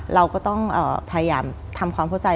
เราก็ต้องพยายามทำความเข้าใจ